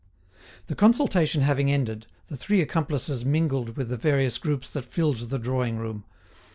The consultation having ended, the three accomplices mingled with the various groups that filled the drawing room.